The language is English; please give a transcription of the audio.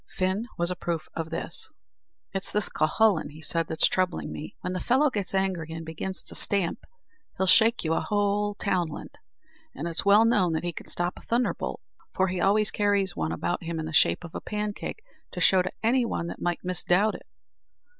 Fin was a proof of this. "It's this Cuhullin," said he, "that's troubling me. When the fellow gets angry, and begins to stamp, he'll shake you a whole townland; and it's well known that he can stop a thunderbolt, for he always carries one about him in the shape of a pancake, to show to any one that might misdoubt it."